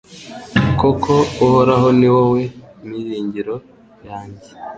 Koko Uhoraho ni wowe miringiro yanjye